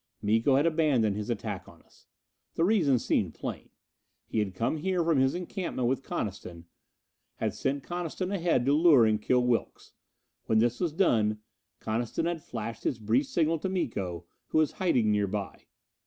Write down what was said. Miko had abandoned his attack on us. The reason seemed plain. He had come here from his encampment with Coniston, had sent Coniston ahead to lure and kill Wilks. When this was done, Coniston had flashed his brief signal to Miko, who was hiding nearby.